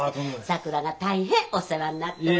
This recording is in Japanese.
さくらが大変お世話になっております。